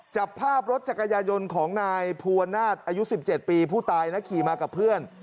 จับภาพรถจักรยายนต์ของนายภูวนาศอายุ๑๗ปีผู้ตายนะขี่มากับเพื่อน